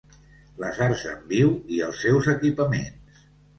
Les arts en viu i els seus equipaments.